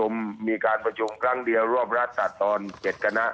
มีการประชุมครั้งเดียวร่วมรัฐศาสตร์ตอน๗คณะ